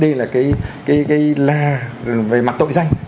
thế thì đây là cái là về mặt tội danh